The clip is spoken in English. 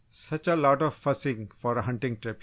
"Such a lot of fussing for a hunting trip!"